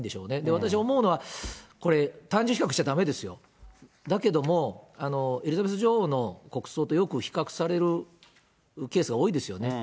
私、思うのはこれ、単純比較しちゃだめですよ、だけども、エリザベス女王の国葬とよく比較されるケースが多いですよね。